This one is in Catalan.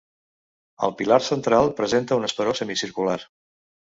El pilar central presenta un esperó semicircular.